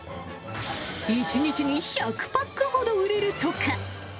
１日に１００パックほど売れるとか。